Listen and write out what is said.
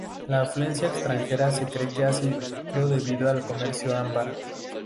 La influencia extranjera se cree que ha sido debido al comercio ámbar.